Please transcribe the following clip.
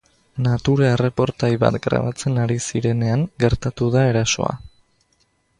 Natura erreportai bat grabatzen ari zirenean gertatu da erasoa.